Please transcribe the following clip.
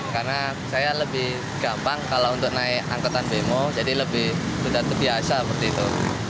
karena saya lebih gampang kalau untuk naik angkatan bmo jadi lebih sudah terbiasa seperti itu